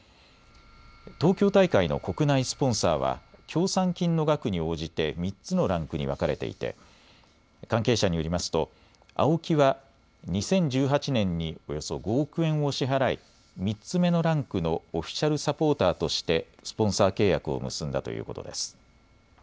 東京大会の国内スポンサーは協賛金の額に応じて３つのランクに分かれていて関係者によりますとＡＯＫＩは２０１８年におよそ５億円を支払い、３つ目のランクのオフィシャルサポーターとしてスポンサー契約を結んだということです。